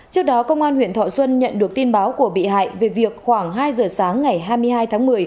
trước đó công an huyện thọ xuân nhận được tin báo của bị hại về việc khoảng hai giờ sáng ngày hai mươi hai tháng một mươi